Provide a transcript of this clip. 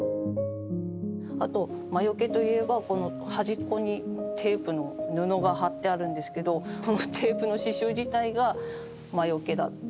あと魔よけといえばこの端っこにテープの布が貼ってあるんですけどこのテープの刺しゅう自体が魔よけだ。